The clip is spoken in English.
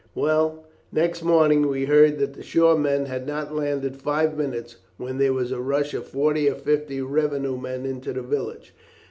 "Well, next morning we heard that the shore men had not landed five minutes when there was a rush of forty or fifty revenue men into the village.